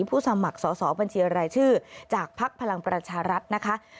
ผู้สมัครสอบบัญชีอะไรชื่อจากภาคพลังประชารัฐนะคะ